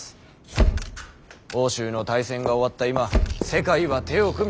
欧州の大戦が終わった今世界は手を組み